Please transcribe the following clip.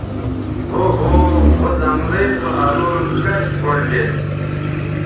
او ہو او زنگلئ سو الول کش اُلٹید